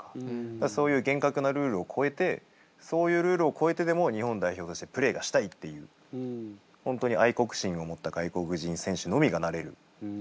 そういう厳格なルールを超えてそういうルールを超えてでも日本代表としてプレーがしたいっていう本当に愛国心を持った外国人選手のみがなれる。